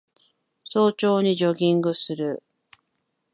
早朝にジョギングする